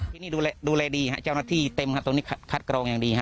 ที่นี่ดูแลดีฮะเจ้าหน้าที่เต็มครับตรงนี้คัดกรองอย่างดีฮ